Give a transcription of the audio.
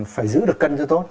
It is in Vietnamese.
phải giữ được cân cho tốt